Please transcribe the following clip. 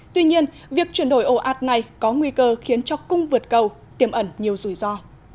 tuy nhiên việc chuyển đổi ồ ạt này có nguy cơ khiến cho cung vượt cầu tiêm ẩn nhiều rủi ro